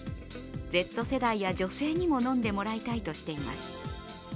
Ｚ世代や女性にも飲んでもらいたいとしています。